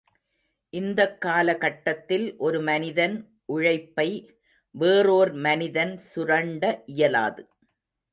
இந்தக் காலகட்டத்தில் ஒரு மனிதன் உழைப்பை வேறோர் மனிதன் சுரண்ட இயலாது.